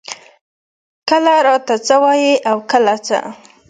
کله راته څۀ وائي او کله څۀ ـ